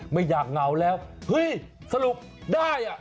ไม่อยากเหงาแล้วเฮ้ยสรุปได้อ่ะ